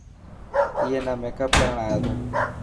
ائي نا ميڪپ ڪرڻ آئي تو.